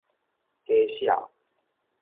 假痟